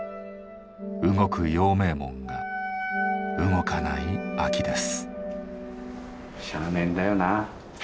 動く陽明門が動かない秋です。